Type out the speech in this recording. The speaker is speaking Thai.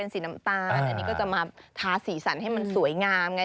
สีน้ำตาลอันนี้ก็จะมาทาสีสันให้มันสวยงามไง